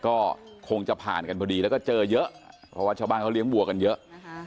ก็คงจะผ่านกันพอดีแล้วก็เจอเยอะเพราะว่าชาวบ้านเขาเลี้ยงวัวกันเยอะ